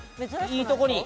いいとこに！